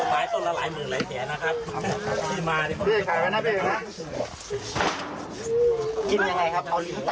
ต้นละหลายหมื่นละแสกนะครับที่มานี่ด้วยค่ะพนักเรียนฮะ